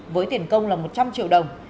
với tiền công là một trăm linh triệu đồng